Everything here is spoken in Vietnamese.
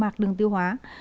mạc đường tiêu hóa